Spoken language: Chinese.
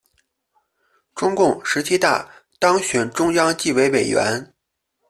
中共十七大当选中央纪委委员。